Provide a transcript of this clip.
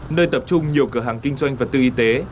nơi tập trung nhiều cửa hàng kinh doanh vật tư y tế